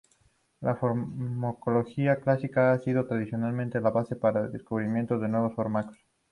La farmacología clásica ha sido tradicionalmente la base para el descubrimiento de nuevos fármacos.